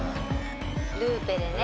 ルーペでね